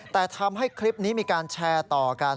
แต่ทำให้คลิปนี้มีการแชร์ต่อกัน